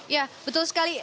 ya betul sekali